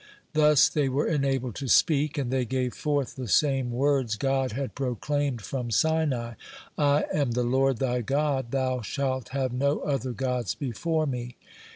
Thus they were enabled to speak, and they gave forth the same words God had proclaimed from Sinai: "I am the Lord thy God Thou shalt have no other gods before Me."